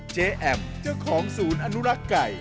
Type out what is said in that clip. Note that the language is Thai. แอมเจ้าของศูนย์อนุรักษ์ไก่